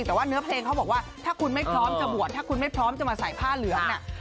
แต่ว่าเนื้อเพลงเขาบอกว่าถ้าคุณไม่พร้อมจะบวชถ้าคุณไม่พร้อมจะมาใส่ผ้าเหลืองน่ะ